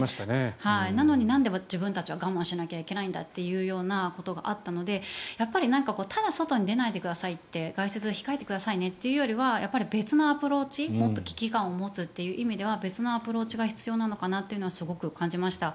なのになんで自分たちは我慢しなきゃいけないんだということがあったのでやっぱりただ外に出ないでくださいって外出を控えてくださいねというよりは別のアプローチ、もっと危機感を持つという意味では別のアプローチが必要なのかなと感じました。